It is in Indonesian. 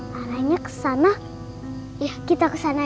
hai itu kan